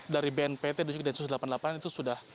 dari bnpt dan sosial pertahanan